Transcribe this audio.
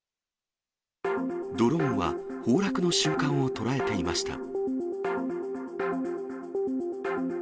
ドローンは崩落の瞬間を捉えていました。